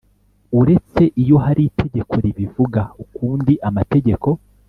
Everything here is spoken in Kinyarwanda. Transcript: Uretse iyo hari itegeko ribivuga ukundi amategeko